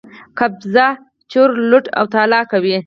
قبضه، چور، لوټ او تالا کوي.